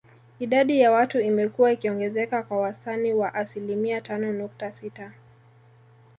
Idadi ya watu imekua ikiongezeka kwa wastani wa asilimia tano nukta sita